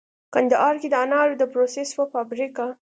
کندهار کې د انارو د پروسس یوه فابریکه